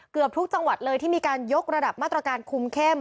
เกือบทุกจังหวัดเลยที่มีการยกระดับมาตรการคุมเข้ม